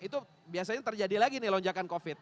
itu biasanya terjadi lagi nih lonjakan covid